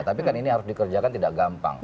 tapi kan ini harus dikerjakan tidak gampang